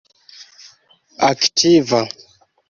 aktiva